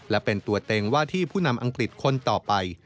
และเป็นตัวเต็งว่าที่ผู้นำอังกฤษคนต่อไป